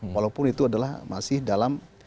walaupun itu adalah masih dalam